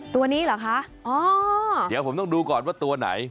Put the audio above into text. ตัวนี้เหรอคะอ๋อเดี๋ยวผมต้องดูก่อนว่าตัวไหน